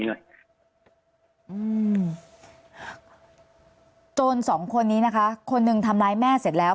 อืมอืมจนสองคนนี้นะคะคนนึงทำร้ายแม่เสร็จแล้ว